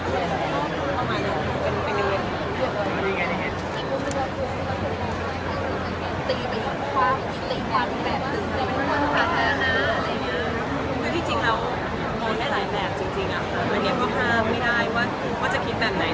ถ้ามองให้มันเป็นศิลปะงานอาร์ตก็จะเข้าใจ